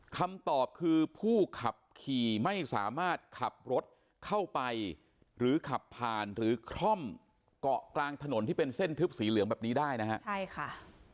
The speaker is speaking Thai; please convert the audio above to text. คำตอบคือผู้ขับขี่ไม่สามารถขับรถเข้าไปหรือขับผ่านหรือคล่อมเกาะกลางถนนที่เป็นเส้นทึบสีเหลืองแบบนี้ได้นะฮะใช่ค่ะ